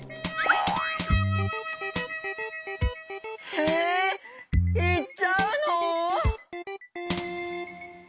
えいっちゃうの？